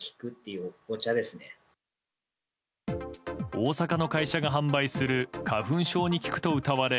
大阪の会社が販売する花粉症に効くとうたわれ